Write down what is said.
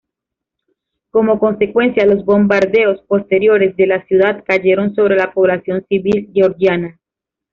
Como consecuencia, los bombardeos posteriores de la ciudad cayeron sobre la población civil georgiana.